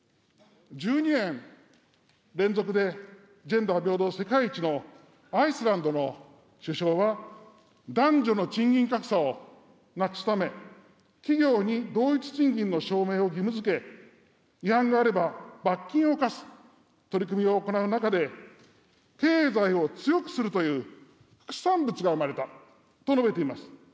１２年連続でジェンダー平等世界一のアイスランドの首相は、男女の賃金格差をなくすため、企業に同一賃金の証明を義務づけ、違反があれば、罰金を科す取り組みを行う中で、経済を強くするという副産物が生まれたと述べています。